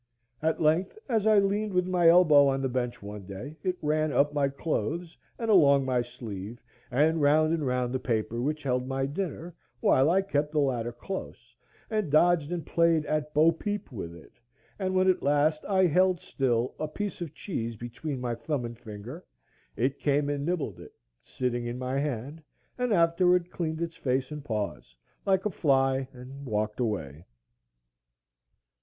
At length, as I leaned with my elbow on the bench one day, it ran up my clothes, and along my sleeve, and round and round the paper which held my dinner, while I kept the latter close, and dodged and played at bopeep with it; and when at last I held still a piece of cheese between my thumb and finger, it came and nibbled it, sitting in my hand, and afterward cleaned its face and paws, like a fly, and walked away.